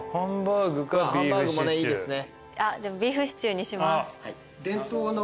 ハンバーグもねいいですね。